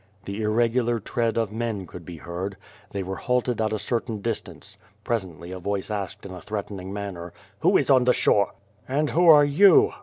The irregular tread of men could be heard. They were halted at a certain distance. Presently a voice asked in a threatening manner: "Who is on the shore?" "And who are you?"